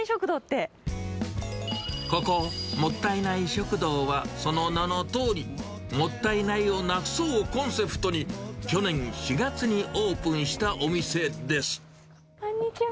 ここ、もったいない食堂は、その名のとおり、もったいないをなくそうをコンセプトに、去年４月にオープンしたこんにちは。